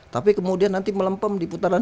tapi kemudian nanti melempem di putaran